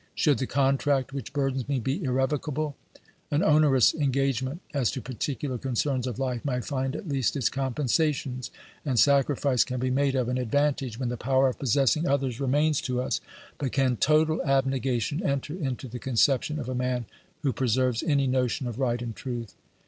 Should the contract which burdens me be irrevocable ? An onerous engage ment as to particular concerns of life may find at least its compensations, and sacrifice can be made of an advan tage when the power of possessing others remains to us; but can total abnegation enter into the conception of a man who preserves any notion of right and truth